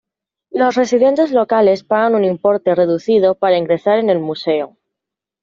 Los residentes locales pagan un importe reducido para ingresar en el museo.